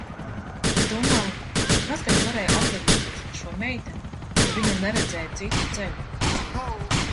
Es domāju, kas gan varēja atgadīties ar šo meiteni, ka viņa neredzēja citu ceļu?